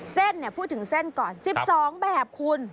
เส้นพูดถึงเส้นก่อน๑๒แบบคุณ